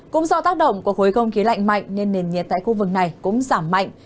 cũng do tác động của khối không khí lạnh mạnh nên nền nhiệt tại khu vực này cũng giảm mạnh